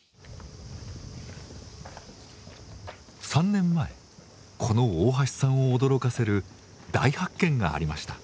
３年前この大橋さんを驚かせる大発見がありました。